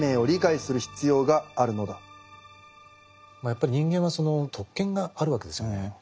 やっぱり人間はその特権があるわけですよね。